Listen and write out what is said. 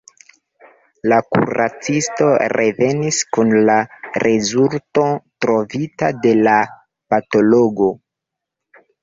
La kuracisto revenis kun la rezulto trovita de la patologo.